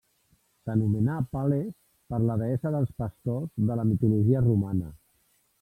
S'anomenà Pales per la deessa dels pastors de la mitologia romana.